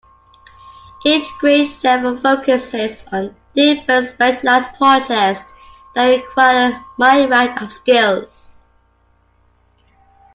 Each grade level focuses on different specialized projects that require a myriad of skills.